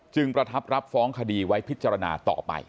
ประทับรับฟ้องคดีไว้พิจารณาต่อไป